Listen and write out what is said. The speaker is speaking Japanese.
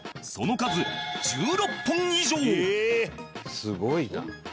すごいな。